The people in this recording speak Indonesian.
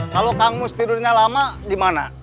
kalau kang mus tidurnya lama di mana